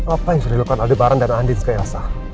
apa yang sudah dilakukan aldebaran dan andin sekalian